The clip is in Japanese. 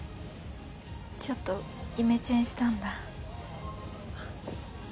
ちょっとイメチェンしたんだ。